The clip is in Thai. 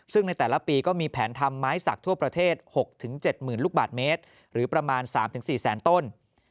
ซึ่งในแต่ละปีก็มีแผนทำไม้สักทั่วประเทศ๖๗๐๐ลูกบาทเมตรหรือประมาณ๓๔แสนต้น